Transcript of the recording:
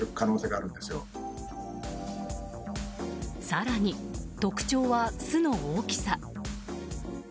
更に、特徴は巣の大きさ。